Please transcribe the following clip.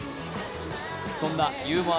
そんなユーモア